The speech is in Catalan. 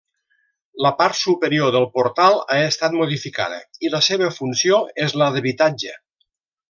La part superior del portal ha estat modificada i la seva funció és la d'habitatge.